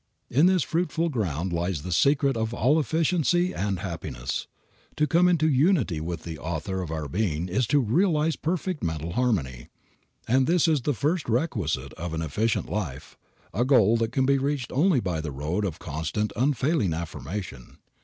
In this fruitful ground lies the secret of all efficiency and happiness. To come into unity with the Author of our being is to realize perfect mental harmony. And this is the first requisite of an efficient life, a goal that can be reached only by the road of constant, unfailing affirmation.